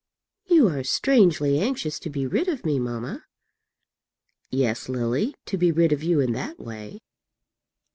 "You are strangely anxious to be rid of me, mamma!" "Yes, Lily; to be rid of you in that way.